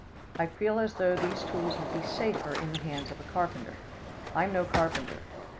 I feel as though these tools would be safer in the hands of a carpenter. I'm no carpenter.